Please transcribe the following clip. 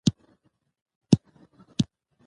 چې د پنځو کسانو لپاره هم زیات وو،